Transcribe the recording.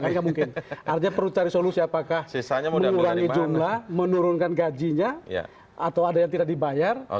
artinya perlu cari solusi apakah mengurangi jumlah menurunkan gajinya atau ada yang tidak dibayar